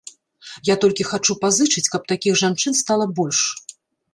Я толькі хачу пазычыць, каб такіх жанчын стала больш.